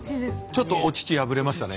ちょっとお乳敗れましたね。